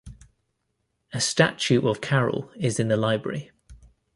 A statue of Carroll is in the library.